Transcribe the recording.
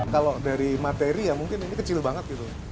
kalau dari materi ya mungkin ini kecil banget gitu